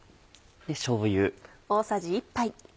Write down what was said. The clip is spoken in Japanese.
しょうゆ。